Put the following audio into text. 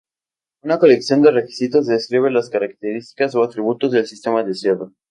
Una colección de requisitos describe las características o atributos del sistema deseado.